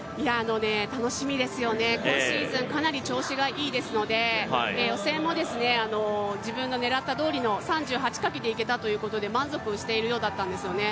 楽しみですよね、今シーズンかなり調子がいいですので予選も自分の狙ったとどりの３８でいけたということなので満足をしているようだったんですよね、